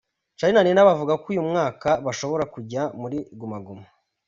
Charly na Nina bavuga ko uyu mwaka bashobora kujya muri Guma Guma.